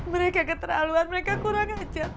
mereka keterlaluan mereka kurang ajar